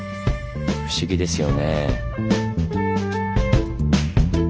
不思議ですよねぇ。